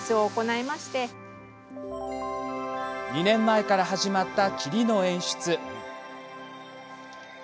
２年前から始まった霧の演出。